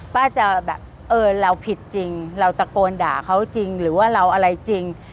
ป้าจะแบบเออเราผิดจริงเราตะโกนด่าเขาจริงหรือว่าเราอะไรจริง